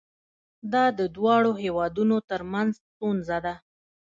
دا د دواړو هیوادونو ترمنځ ستونزه ده.